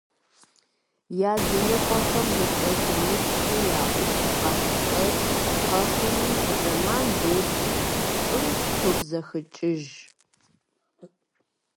Языныкъуэхэм мылӀэжыныпсэ яӀуту къащыфӀэщӀ къэхъуми, зэман докӀри, щӀым тобзэхыкӀыж.